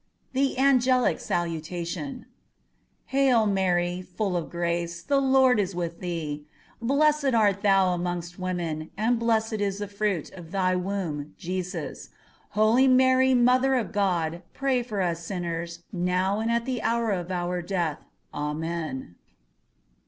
THE ANGELICAL SALUTATION Hail Mary, full of grace! the Lord is with thee: blessed art thou amongst women, and blessed is the fruit of thy womb, Jesus. Holy Mary, Mother of God, pray for us sinners, now and at the hour of our death. Amen.